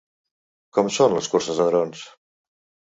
Com són les curses de drons?